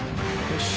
よし。